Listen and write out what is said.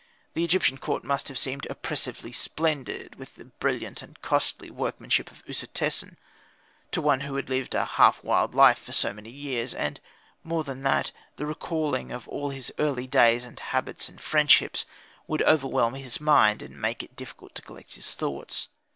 The Egyptian court must have seemed oppressively splendid, with the brilliant and costly workmanship of Usertesen, to one who had lived a half wild life for so many years; and, more than that, the recalling of all his early days and habits and friendships would overwhelm his mind and make it difficult to collect his thoughts.